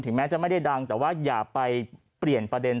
แม้จะไม่ได้ดังแต่ว่าอย่าไปเปลี่ยนประเด็น